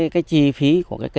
chi phí của cây máy